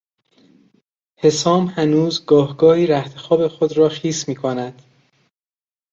حسام هنوز گاهگاهی رختخواب خود را خیس میکند.